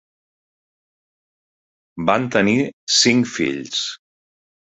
Van tenir cinc fills.